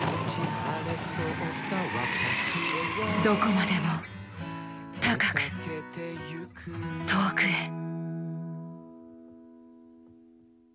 どこまでも高く遠くへ。